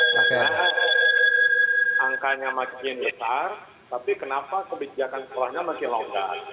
karena angkanya makin besar tapi kenapa kebijakan sekolahnya makin longgar